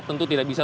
tentu tidak bisa